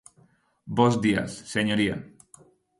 Bos días, señoría.